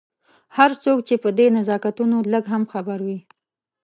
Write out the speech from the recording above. هر څوک چې په دې نزاکتونو لږ هم خبر وي.